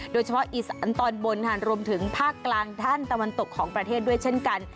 โดยเฉพาะอีสานตอนบนค่ะรวมถึงภาคกลางท่านตะวันตกของประเทศด้วยเช่นกัน